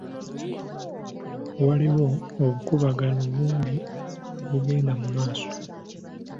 Waliwo obukuubagano bungi obugenda mu maaso.